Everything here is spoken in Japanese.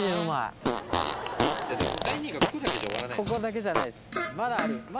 ここだけじゃないです。